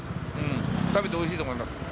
食べておいしいと思います。